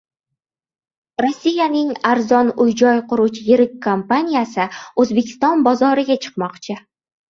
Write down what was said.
Rossiyaning arzon uy-joy quruvchi yirik kompaniyasi O‘zbekiston bozoriga chiqmoqchi